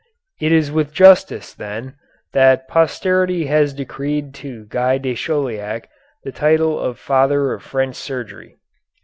It is with justice, then, that posterity has decreed to Guy de Chauliac the title of Father of French surgery."